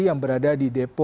yang berada di depo